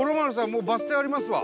もうバス停ありますわ。